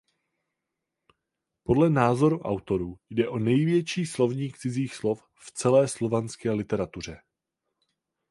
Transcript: Podle názoru autorů jde o největší slovník cizích slov v celé slovanské literatuře.